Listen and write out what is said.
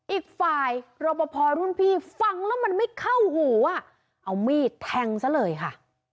อีกฝ่ายรอปภรุ่นพี่ฟังแล้วมันไม่เข้าหูอ่ะเอามีดแทงซะเลยค่ะ